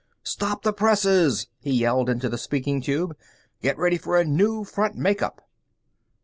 "Stop the presses!" he yelled into the speaking tube. "Get ready for a new front make up!"